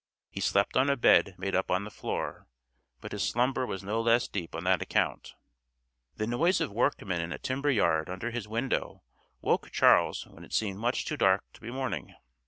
He slept on a bed made up on the floor, but his slumber was no less deep on that account. The noise of workmen in a timber yard under his window woke Charles when it seemed much too dark to be morning.